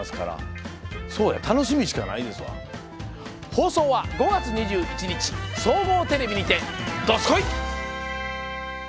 放送は５月２１日総合テレビにて、どすこい！